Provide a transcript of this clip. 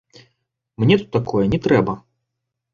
Мне тут такое не трэба.